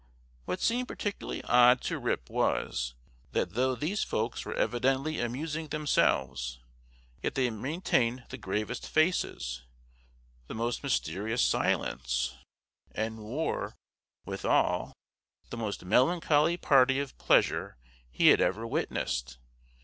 What seemed particularly odd to Rip was, that though these folks were evidently amusing themselves, yet they maintained the gravest faces, the most mysterious silence, and were, withal, the most melancholy party of pleasure he had ever witnessed.